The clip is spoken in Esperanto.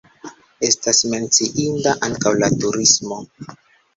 Estas menciinda ankaŭ la turismo.